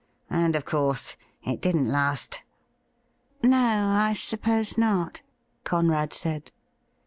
And, of course, it didn't last.' ' No, I suppose not,' Conrad said.